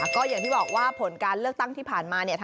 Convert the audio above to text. ก็อย่างที่บอกว่าผลการเลือกตั้งที่ผ่านมา